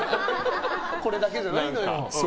これだけじゃないのよ。